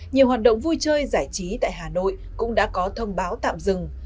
nhiều hoạt động vui chơi giải trí tại hà nội cũng đã có thông báo tạm dừng